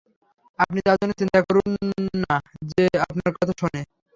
আপনি তার জন্য চিন্তা করুন না যে আপনার কথা শোনে।